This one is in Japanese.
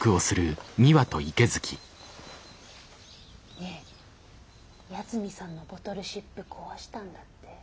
ねえ八海さんのボトルシップ壊したんだって？